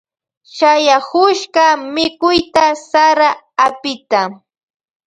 Shayakushka mikuyta sara apita.